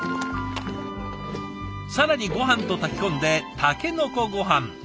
更にごはんと炊き込んでタケノコごはん。